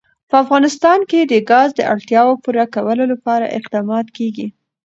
په افغانستان کې د ګاز د اړتیاوو پوره کولو لپاره اقدامات کېږي.